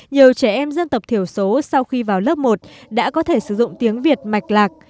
nhiều trẻ em dân tộc thiểu số sau khi vào lớp một đã có thể sử dụng tiếng việt mạch lạc